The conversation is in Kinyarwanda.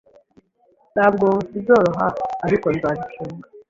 Ntabwo bizoroha, ariko nzabicunga.